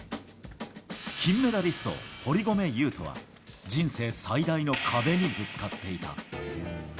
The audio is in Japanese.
金メダリスト、堀米雄斗は、人生最大の壁にぶつかっていた。